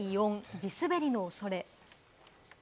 地滑りの恐れ。